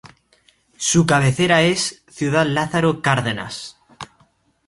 Su cabecera es Ciudad Lázaro Cárdenas.